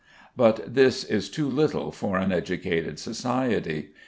But this is too little for an educated society.